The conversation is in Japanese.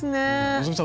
希さん